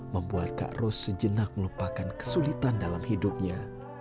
membuat kak ros sejenak melupakan kesulitan dalam hidupnya